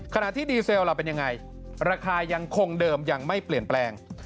ขณะที่ดีเซลล่ะเป็นยังไงราคายังคงเดิมยังไม่เปลี่ยนแปลง